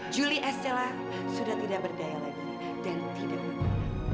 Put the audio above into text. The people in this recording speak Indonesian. juli estella sudah tidak berdaya lagi dan tidak berbunyi